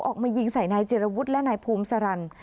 ออกมายิงใส่นายเจรวุฒิและนายภูมิสารัน